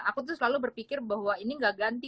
aku tuh selalu berpikir bahwa ini gak ganti